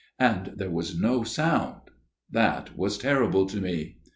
And there was no sound. That was terrible to me